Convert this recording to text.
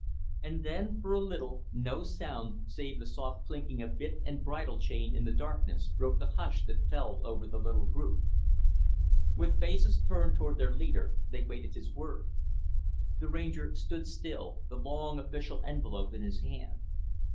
And then, for a little, no sound save the soft clinking of bit or bridle chain in the darkness broke the hush that fell over the little group. With faces turned toward their leader, they waited his word. The Ranger stood still, the long official envelope in his hand.